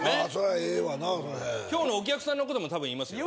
今日のお客さんのことも多分言いますよ。